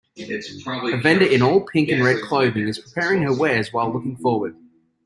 A vendor in all pink and red clothing is preparing her wears while looking forward.